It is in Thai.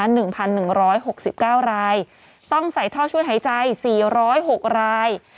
หนึ่งพันหนึ่งร้อยหกสิบเก้ารายต้องใส่ท่อช่วยหายใจสี่ร้อยหกราย